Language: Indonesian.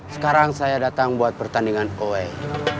sekarang saya datang buat pertandingan koe